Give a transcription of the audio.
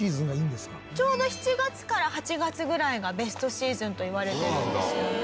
ちょうど７月から８月ぐらいがベストシーズンといわれてるんですよね。